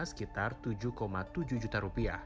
sekitar rp tujuh tujuh juta